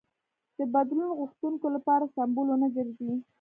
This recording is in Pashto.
د بدلون غوښتونکو لپاره سمبول ونه ګرځي.